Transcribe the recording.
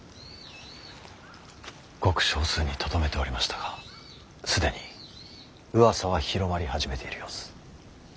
ごく少数にとどめておりましたが既にうわさは広まり始めている様子。